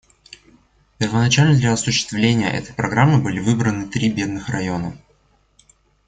Первоначально для осуществления этой программы были выбраны три бедных района.